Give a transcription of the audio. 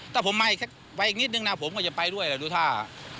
ถ้าผมมาอีกไปอีกนิดนึงนะผมก็จะไปด้วยแต่ดูท่า